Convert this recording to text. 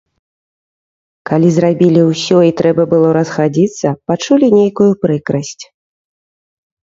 Калі зрабілі ўсё і трэба было расхадзіцца, пачулі нейкую прыкрасць.